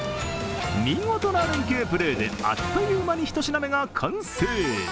見事な連係プレーで、あっという間に１品目が完成。